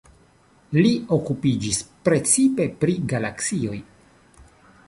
Li okupiĝis precipe pri galaksioj.